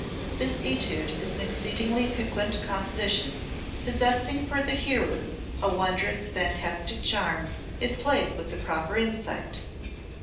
... This etude is an exceedingly piquant composition, possessing for the hearer a wondrous, fantastic charm, if played with the proper insight."